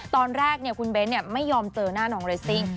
ตอนแรกเนี่ยคุณเบ้นเนี่ยไม่ยอมเจอหน้าน้องเรซิ่ง